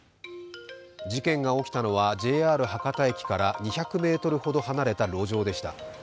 事件が起きたのはＪＲ博多駅から２００ｍほど離れた路上でした。